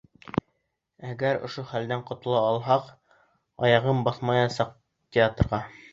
Әгәр ошо хәлдән ҡотола алһаҡ, аяғын баҫмаясаҡ театрға!